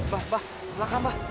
mas mbah silahkan mbah